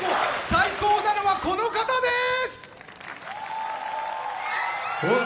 最高なのは、この方です！